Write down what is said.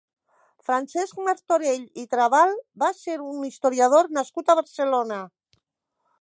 Francesc Martorell i Trabal va ser un historiador nascut a Barcelona.